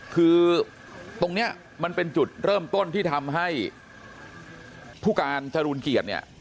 คือตรงนี้มันเป็นจุดเริ่มต้นที่ทำให้ผู้การจรูนเกียรติเนี่ย